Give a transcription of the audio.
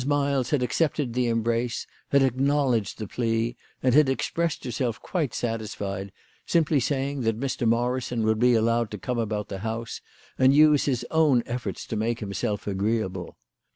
Miles had accepted the embrace, had acknowledged the plea, and had expressed herself quite satisfied, simply saying that Mr. Morrison would be allowed to come about the house, and use his own efforts to make him self agreeable.